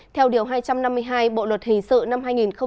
theo điều hai trăm năm mươi hai bộ luật hình sự năm hai nghìn một mươi năm